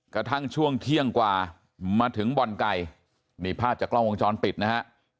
กระทั่งช่วงเที่ยงกว่ามาถึงบ่อนไก่นี่ภาพจากกล้องวงจรปิดนะฮะ